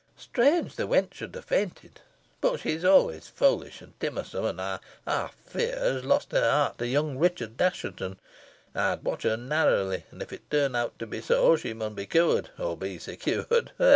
Strange, the wench should ha' fainted. Boh she's always foolish an timmersome, an ey half fear has lost her heart to young Richard Assheton. Ey'n watch her narrowly, an if it turn out to be so, she mun be cured, or be secured ha!